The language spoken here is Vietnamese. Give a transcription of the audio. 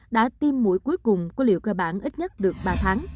đã tiêm mũi cuối cùng của liệu cơ bản ít nhất được ba tháng